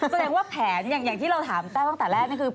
แสดงว่าแผนอย่างที่เราถามแต้วตั้งแต่แรกนี่คือ